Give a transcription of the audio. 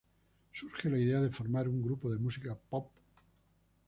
Surge la idea de formar un grupo de música pop.